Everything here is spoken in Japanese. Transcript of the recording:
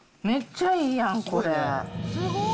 めっちゃいいやん、これ。